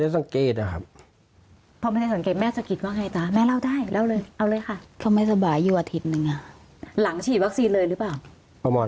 สองอาทิตย์เลยเหรอ